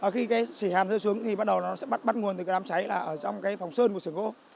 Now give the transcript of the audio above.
khi cái sỉ hàm rơi xuống thì bắt đầu nó sẽ bắt nguồn từ cái đám cháy là ở trong cái phòng sơn của xưởng gỗ